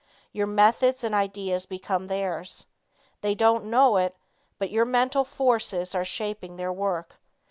Your methods and ideas become theirs. They don't know it, but your mental forces are shaping their work.